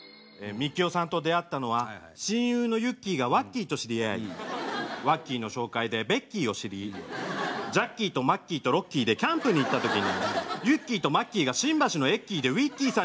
「みきおさんと出会ったのは親友のユッキーがワッキーと知り合いワッキーの紹介でベッキーを知りジャッキーとマッキーとロッキーでキャンプに行った時にユッキーとマッキーが新橋のエッキーでウィッキーさんに」。